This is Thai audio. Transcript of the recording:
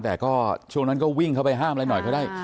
แต่ก็ช่วงนั้นก็วิ่งเข้าไปห้ามอะไรหน่อยก็ได้